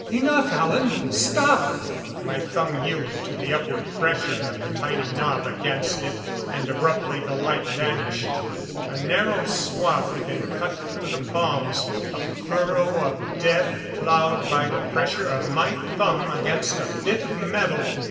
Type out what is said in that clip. "Enough, Alan! Stop!" My thumb yielded to the upward pressure of the tiny knob against it, and abruptly the light vanished. A narrow swath had been cut through the palms a furrow of death plowed by the pressure of my thumb against a bit of metal!